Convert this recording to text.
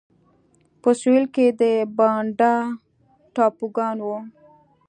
په سوېل کې د بانډا ټاپوګان وو.